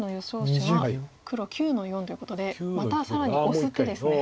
手は黒９の四ということでまた更にオス手ですね。